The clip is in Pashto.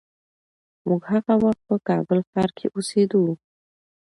موږ هغه وخت په کابل ښار کې اوسېدو.